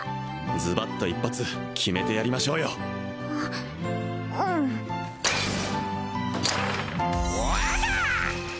ズバッと一発決めてやりましょうようんほわちゃ！